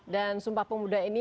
dan sumpah pemuda ini